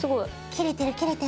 切れてる！